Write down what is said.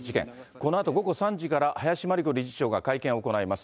このあと午後３時から、林真理子理事長が会見を行います。